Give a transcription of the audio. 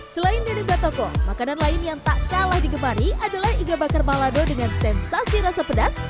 selain nenek batoko makanan lain yang tak kalah digemari adalah iga bakar balado dengan sensasi rasa pedas